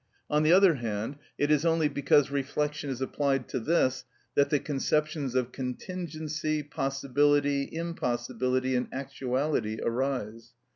On the other hand, it is only because reflection is applied to this that the conceptions of contingency, possibility, impossibility, and actuality arise.